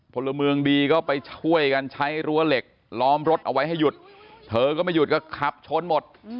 พลเมืองดีก็ไปช่วยกันใช้รั้วเหล็กล้อมรถเอาไว้ให้หยุดเธอก็ไม่หยุดก็ขับชนหมด